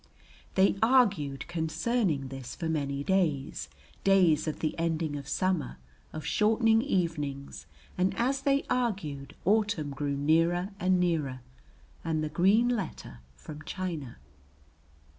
They argued concerning this for many days, days of the ending of summer, of shortening evenings, and as they argued autumn grew nearer and nearer and the green letter from China.